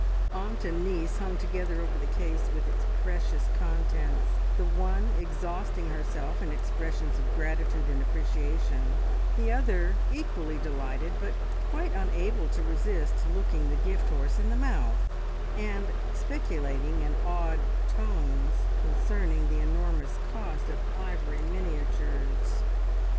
Aunt and niece hung together over the case with its precious contents, the one exhausting herself in expressions of gratitude and appreciation, the other equally delighted, but quite unable to resist looking the gift horse in the mouth, and speculating in awed tones concerning the enormous cost of ivory miniatures.